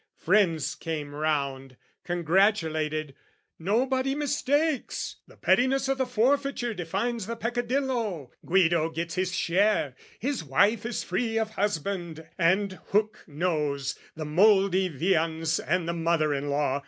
Friends came round, Congratulated, "Nobody mistakes! "The pettiness o' the forfeiture defines "The peccadillo: Guido gets his share: "His wife is free of husband and hook nose, "The mouldy viands and the mother in law.